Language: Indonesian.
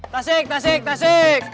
tasik tasik tasik